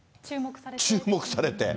注目されて。